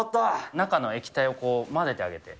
中の液体を混ぜてあげて。